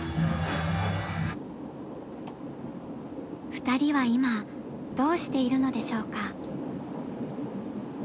２人は今どうしているのでしょうか？